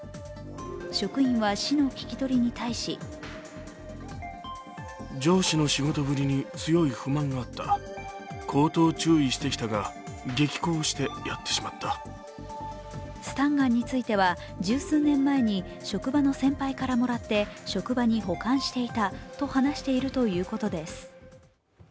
職員は市の聞き取りに対しスタンガンについては、十数年前に職場の先輩からもらって職場に保管していたと話しているということです。